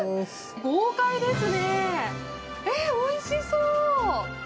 豪快ですね、おいしそう！